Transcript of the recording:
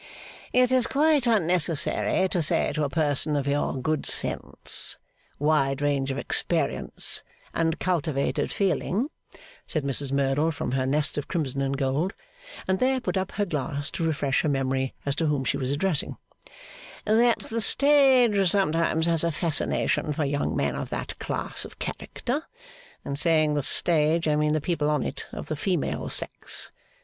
'It is quite unnecessary to say to a person of your good sense, wide range of experience, and cultivated feeling,' said Mrs Merdle from her nest of crimson and gold and there put up her glass to refresh her memory as to whom she was addressing, 'that the stage sometimes has a fascination for young men of that class of character. In saying the stage, I mean the people on it of the female sex.